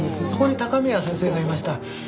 そこに高宮先生がいました。